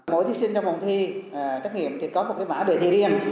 mỗi thí sinh trong một phòng thi trắc nghiệm thì có một cái mã đề thi riêng